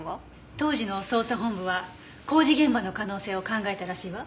当時の捜査本部は工事現場の可能性を考えたらしいわ。